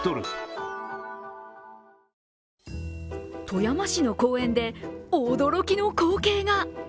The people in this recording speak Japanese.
富山市の公園で驚きの光景が。